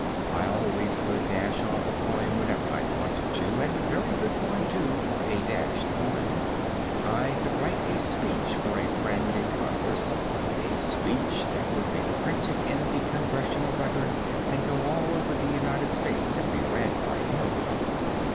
I always could dash off a poem whenever I wanted to, and a very good poem, too, for a dashed poem. I could write a speech for a friend in congress a speech that would be printed in the Congressional Record and go all over the United States and be read by no one.